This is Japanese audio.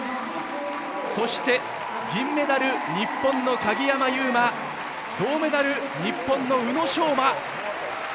そして銀メダル、日本の鍵山優真銅メダル、日本の宇野昌磨。